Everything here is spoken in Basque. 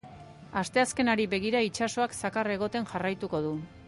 Asteazkenari begira, itsasoak zakar egoten jarraituko du.